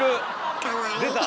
かわいい。